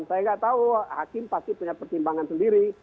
saya tidak tahu pak hakim pasti punya pertimbangan sendiri